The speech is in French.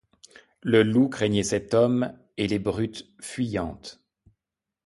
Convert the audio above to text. Le loup craignait cet homme, et les brutes fuyantes